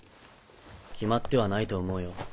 決まってはないと思うよ。